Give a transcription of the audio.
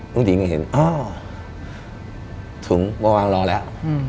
ลุงสิงห์ก็เห็นถึงวางรอแล้ว